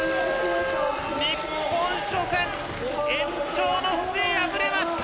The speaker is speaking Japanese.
日本、初戦、延長の末敗れました。